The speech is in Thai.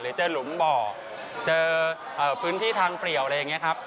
เจอหลุมบ่อเจอพื้นที่ทางเปรียวอะไรอย่างนี้ครับ